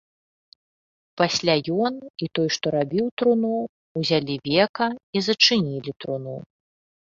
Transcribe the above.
Пасля ён і той, што рабіў труну, узялі века і зачынілі труну.